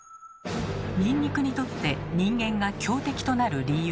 ニンニクにとって人間が強敵となる理由